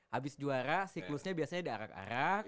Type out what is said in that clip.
habis juara siklusnya biasanya diarak arak